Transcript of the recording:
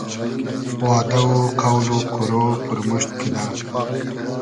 وادۂ و قۆل و قورۉ پورموشت کیدۂ